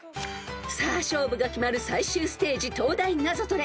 ［さあ勝負が決まる最終ステージ東大ナゾトレ］